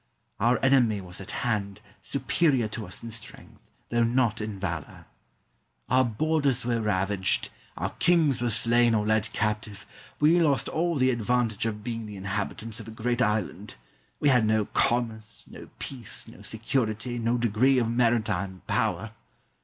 Our enemy was at hand, superior to us in strength, though not in valour. Our borders were ravaged; our kings were slain or led captive; we lost all the advantage of being the inhabitants of a great island; we had no commerce, no peace, no security, no degree of maritime power.